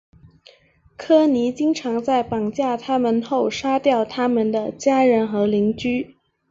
科尼经常在绑架他们后杀掉他们的家人和邻居。